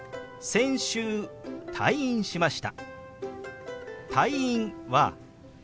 「先週退院しました」。